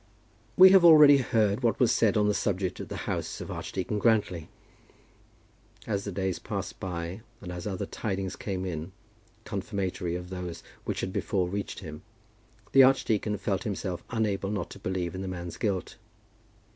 We have already heard what was said on the subject at the house of Archdeacon Grantly. As the days passed by, and as other tidings came in, confirmatory of those which had before reached him, the archdeacon felt himself unable not to believe in the man's guilt.